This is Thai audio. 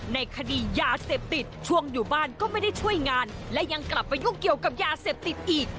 ในคดียาเสพติดช่วงอยู่บ้านก็ไม่ได้ช่วยงานและยังกลับไปยุ่งเกี่ยวกับยาเสพติดอีก